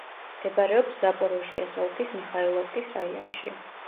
მდებარეობს ზაპოროჟიეს ოლქის მიხაილოვკის რაიონში.